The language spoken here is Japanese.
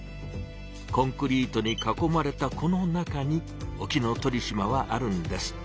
コンクリートに囲まれたこの中に沖ノ鳥島はあるんです。